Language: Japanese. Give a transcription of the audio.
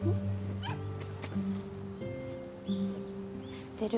知ってる？